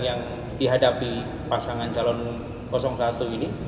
yang dihadapi pasangan calon satu ini